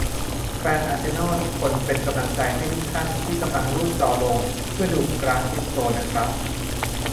แฟนอาร์เซนอล ทุกคน เป็นกำลังใจให้ทุกท่านที่กำลังรูดจอลงเพื่อดูกราฟคริปโตนะครับ